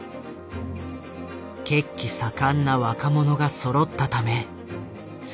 血気盛んな若者がそろったため。